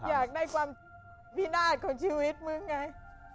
อยากได้ความพินาศของชีวิตมึงไง